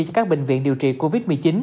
cho các bệnh viện điều trị covid một mươi chín